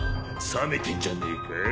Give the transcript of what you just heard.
冷めてんじゃねえか？